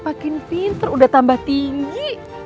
makin pinter udah tambah tinggi